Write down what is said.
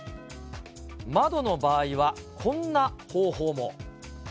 窓の場合は、こんな方法も。